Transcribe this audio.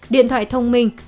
điện thoại thông minh